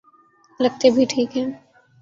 لگتے بھی ٹھیک ہیں۔